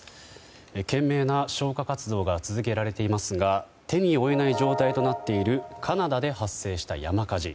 懸命な消火活動が続けられていますが手に負えない状態となっているカナダで発生した山火事。